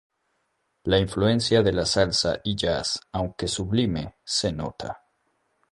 La influencia del la salsa y jazz aunque sublime se nota.